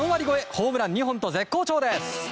ホームラン２本と絶好調です。